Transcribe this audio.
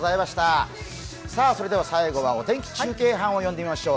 最後はお天気中継班を呼んでみましょう。